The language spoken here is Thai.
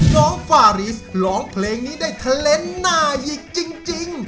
ฟาริสร้องเพลงนี้ได้เทลนด์หน้าอีกจริง